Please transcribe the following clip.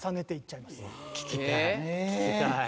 聴きたい。